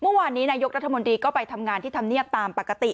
เมื่อวานนี้นายกรัฐมนตรีก็ไปทำงานที่ธรรมเนียบตามปกติ